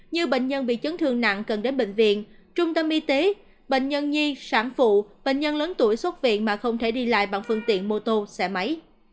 như bệnh nhân bị chấn thương nặng cần đến bệnh viện trung tâm y tế bệnh nhân nhi sản phụ bệnh nhân lớn tuổi xuất viện mà không thể đi lại bằng phương tiện mô tô xe máy